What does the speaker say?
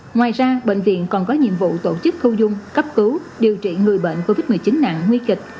ngoài ra bệnh viện còn có nhiệm vụ tổ chức thu dung cấp cứu điều trị người bệnh covid một mươi chín nặng nguy kịch